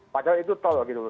padahal itu tol tol jor